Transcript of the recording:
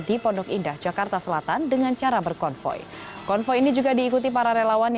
di pondok indah jakarta selatan dengan cara berkonvoy konvoy ini juga diikuti para relawan